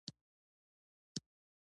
ایا ستاسو ونډه فعاله ده؟